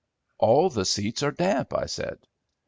"All the seats are damp," I said.